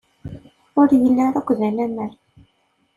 Ur yelli ara akk d anamar.